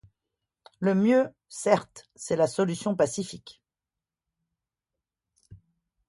Le mieux, certes, c'est la solution pacifique.